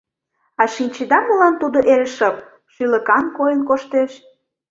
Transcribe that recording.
— А шинчеда, молан тудо эре шып, шӱлыкан койын коштеш?